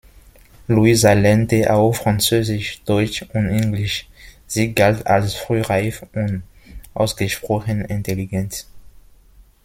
Luisa lernte auch französisch, deutsch und englisch; sie galt als frühreif und ausgesprochen intelligent.